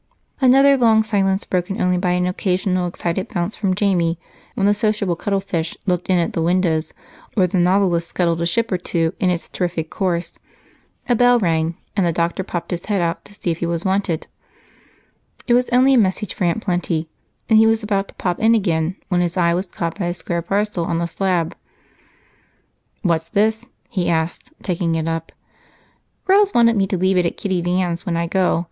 Another long silence, broken only by an occasional excited bounce from Jamie when the sociable cuttlefish looked in at the windows or the Nautilus scuttled a ship or two in its terrific course. A bell rang, and the doctor popped his head out to see if he was wanted. It was only a message for Aunt Plenty, and he was about to pop in again when his eye was caught by a square parcel on the slab. "What's this?" he asked, taking it up. "Rose wants me to leave it at Kitty Van's when I go.